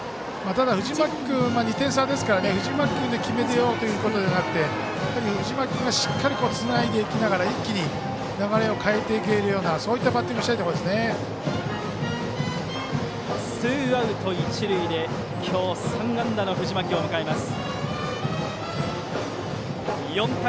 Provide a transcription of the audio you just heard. ただ藤巻君は２点差ですけど藤巻君で決めようということではなくて藤巻君がしっかりつないでいきながら一気に流れを変えていけるようなそういったバッティングをツーアウト一塁で今日３安打の藤巻を迎えます。